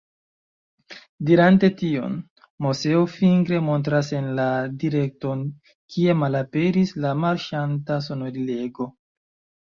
Dirante tion, Moseo fingre montras en la direkton, kie malaperis la marŝanta sonorilego.